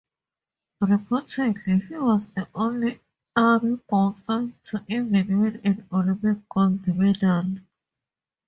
Reportedly he was the only Army boxer to ever win an Olympic Gold Medal.